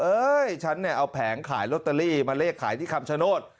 เอ้ยฉันเอาแผงขายโรตเตอรี่มาเลขขายที่คำชะโนธ